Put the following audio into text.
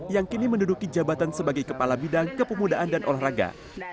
yang kini menduduki jabatan sebagai kepala bidang kepemudaan dan olahraga